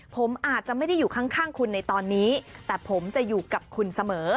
ผมอาจจะไม่ได้อยู่ข้างคุณในตอนนี้แต่ผมจะอยู่กับคุณเสมอ